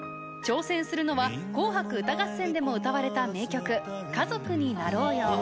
挑戦するのは紅白歌合戦でも歌われた名曲『家族になろうよ』。